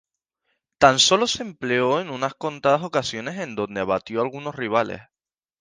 Tan solo se empleo en unas contadas ocasiones en donde abatió a algunos rivales.